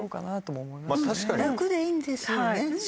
楽でいいんですよね。